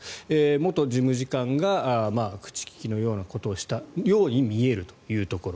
元事務次官が口利きのようなことをしたように見えるというところ。